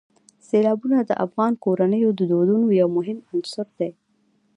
سیلابونه د افغان کورنیو د دودونو یو مهم عنصر دی.